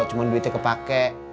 cuma duitnya kepake